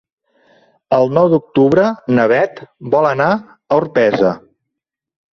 El nou d'octubre na Beth vol anar a Orpesa.